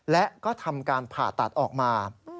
และก็ทำการผ่าตัดออกมา